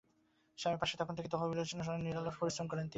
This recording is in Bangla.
স্বামীর পাশে থেকে তখন থেকেই তহবিল সংগ্রহে নিরলস পরিশ্রম করেন তিনি।